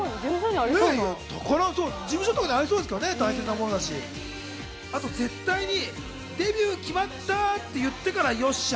事務所とかにありそうですけどね、大事なものだし、あと絶対にデビュー決まったっていうのを言ってから、よっしゃ！